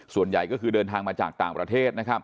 ส่วนใหญ่ก็คือเดินทางมาจากต่างประเทศนะครับ